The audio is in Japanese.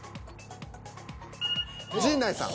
陣内さん。